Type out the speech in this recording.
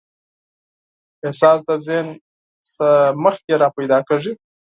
احساس د ذهن نه مخکې راپیدا کېږي.